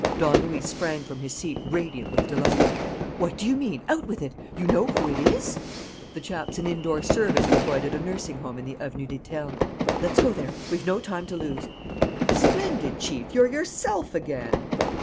Don Luis sprang from his seat, radiant with delight. "What do you mean? Out with it! You know who it is?" "The chap's an indoor servant employed at a nursing home in the Avenue des Ternes." "Let's go there. We've no time to lose." "Splendid, Chief! You're yourself again."